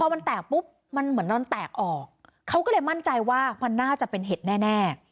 มันแตกปุ๊บมันเหมือนมันแตกออกเขาก็เลยมั่นใจว่ามันน่าจะเป็นเห็ดแน่